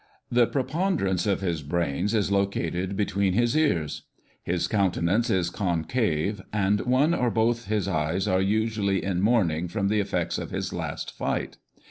The prepon derance of his brains is located between his ears. His countenance is concave, and one or both of his eyes are usually in 'mourning' from the effects of his last fight.